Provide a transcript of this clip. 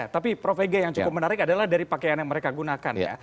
tapi prof ege yang cukup menarik adalah dari pakaian yang mereka gunakan ya